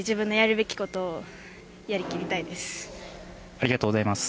ありがとうございます。